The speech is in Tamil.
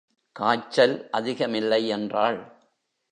காய்ச்சல் அதிகமில்லை என்றாள்.